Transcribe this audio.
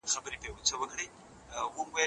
آیا د ښوونکو د اتحادیې فعالیت ته اجازه سته؟